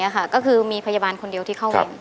โอ้โฮพันต่อ๕คนโอ้โฮ